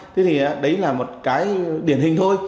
thì đấy là một cái điển hình thôi